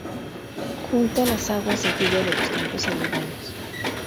Junta las aguas de lluvia de los campos aledaños.